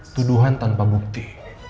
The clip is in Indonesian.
tuduhan tanpa bukti